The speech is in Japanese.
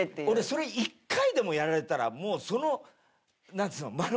俺それ１回でもやられたらもうそのなんつうの？